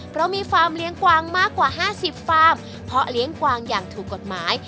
เพราะมีฟาร์มเลี้ยงกวางมากกว่า๕๐ฟาร์มเพาะเลี้ยงกวางอย่างถูกกฎหมาย